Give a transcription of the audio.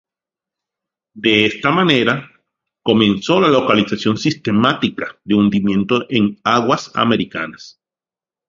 De esta manera, comenzó la localización sistemática de hundimientos en aguas americanas.